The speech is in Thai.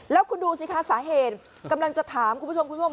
แล้วคุณดูสิคะสาเหตุกำลังจะถามคุณผู้ชมคุณผู้ชม